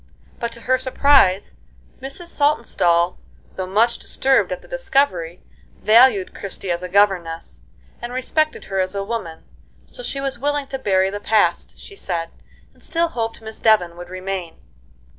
But, to her surprise, Mrs. Saltonstall, though much disturbed at the discovery, valued Christie as a governess, and respected her as a woman, so she was willing to bury the past, she said, and still hoped Miss Devon would remain.